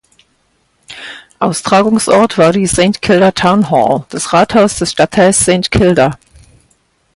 Austragungsort war die "St Kilda Town Hall", das Rathaus des Stadtteils St Kilda.